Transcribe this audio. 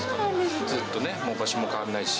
ずっと場所も変わらないし。